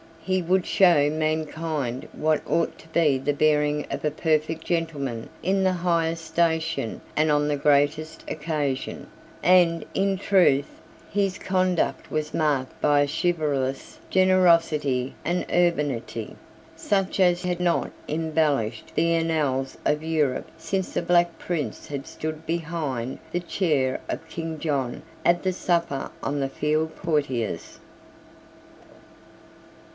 He would show mankind what ought to be the bearing of a perfect gentleman in the highest station and on the greatest occasion; and, in truth, his conduct was marked by a chivalrous generosity and urbanity, such as had not embellished the annals of Europe since the Black Prince had stood behind the chair of King John at the supper on the field Poitiers.